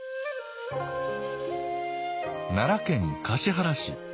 奈良県橿原市。